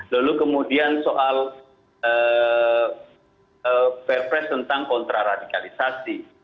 lalu kemudian soal perpres tentang kontraradikalisasi